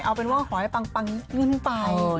เอาเป็นว่าหอยปังนิดนึงไป